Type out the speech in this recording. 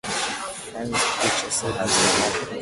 ‘She’s a fine creature,’ said Mr. Magnus.